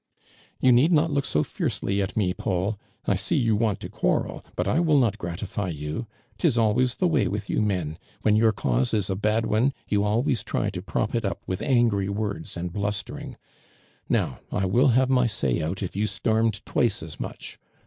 " You need not look so fiercely at me, Paul. I see you want to quarrel, i)ut 1 will not gratify you. 'Tis always the way with you men. When your cause is a ba<l one, yovi always try to prop it up with angry words and blustering. Now, I will have my say out if you stormed twice as much.